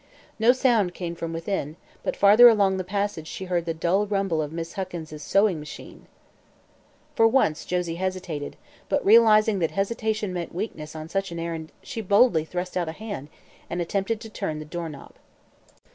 No sound came from within, but farther along the passage she heard the dull rumble of Miss Huckins' sewing machine. For once Josie hesitated, but realizing that hesitation meant weakness on such an errand she boldly thrust out a hand and attempted to turn the doorknob.